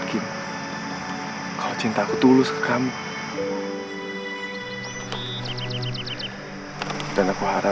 sampai jumpa di video selanjutnya